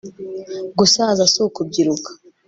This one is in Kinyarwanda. gusaza si ukubyiruka